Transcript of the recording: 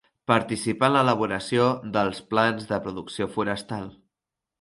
Participar en l'elaboració dels plans de producció forestal.